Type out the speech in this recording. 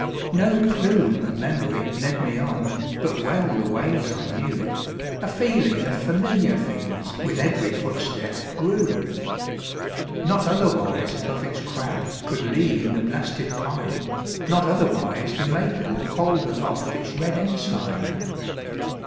No clue of memory led me on, But well the ways I knew; A feeling of familiar things With every footstep grew. Not otherwise above its crag Could lean the blasted pine; Not otherwise the maple hold Aloft its red ensign.